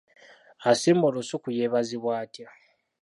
Asimba olusuku yeebazibwa atya?